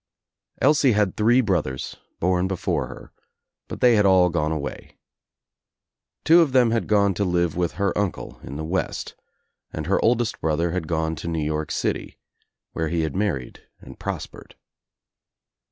Elsie had three brothers, born before her, but they had all gone away. Two of them had gone to live with her uncle in the West and her oldest brother had gone to New York City where he had married and prospered.